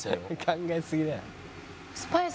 「考えすぎだよ」